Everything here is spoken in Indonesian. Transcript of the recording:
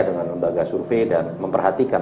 dengan lembaga survei dan memperhatikan